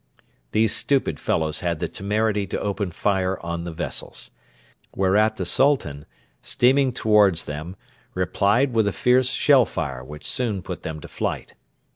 These stupid fellows had the temerity to open fire on the vessels. Whereat the Sultan, steaming towards their dem, replied with a fierce shell fire which soon put them to flight.